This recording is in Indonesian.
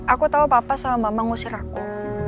aku tahu papa sama mama ngusir aku